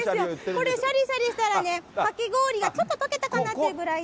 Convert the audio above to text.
これ、しゃりしゃりしたらね、かき氷がちょっととけたかなっていうぐらいで。